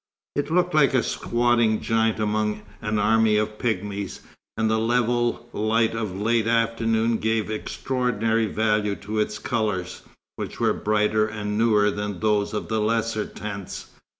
It looked like a squatting giant among an army of pigmies; and the level light of late afternoon gave extraordinary value to its colours, which were brighter and newer than those of the lesser tents.